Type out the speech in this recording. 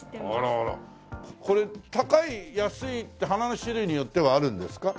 これ高い安いって花の種類によってはあるんですか？